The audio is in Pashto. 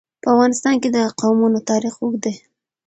په افغانستان کې د قومونه تاریخ اوږد دی.